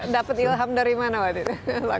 dapat ilham dari mana waktu itu